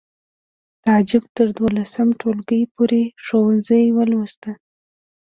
تعجب تر دولسم ټولګي پورې ښوونځی ولوست